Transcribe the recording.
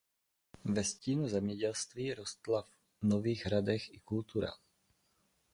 Ve stínu zemědělství rostla v Nových Hradech i kultura.